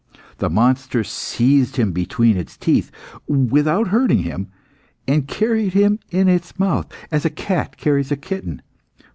The monster seized him between its teeth, without hurting him, and carried him in its mouth, as a cat carries a kitten.